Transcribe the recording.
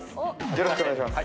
よろしくお願いします